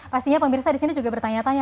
pastinya pemirsa di sini juga bertanya tanya